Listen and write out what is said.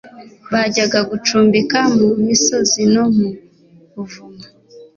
bajyaga gucumbika mu misozi no mu buvumo